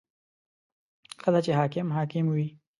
• ښه ده چې حاکم حاکم وي.